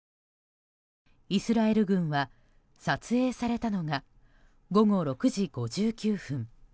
イスラエル軍は撮影されたのが午後６時５９分。